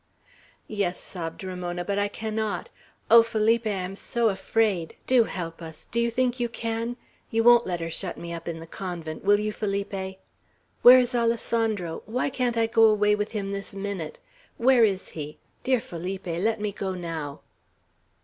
"Yes," sobbed Ramona, "but I cannot. Oh, Felipe, I am so afraid! Do help us! Do you think you can? You won't let her shut me up in the convent, will you, Felipe? Where is Alessandro? Why can't I go away with him this minute? Where is he? Dear Felipe, let me go now."